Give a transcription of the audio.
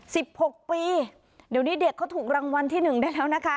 สิบหกปีเดี๋ยวนี้เด็กเค้าถูกรางวัลที่๑ได้แล้วนะคะ